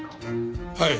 はい。